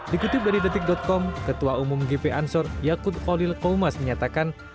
dikutip dari detik com ketua umum gp ansor yakut olil koumas menyatakan